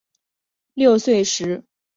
六岁时与有栖川宫炽仁亲王订婚。